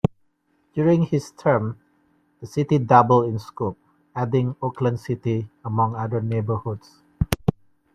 During his term, the city doubled in scope: adding Oakland City among other neighborhoods.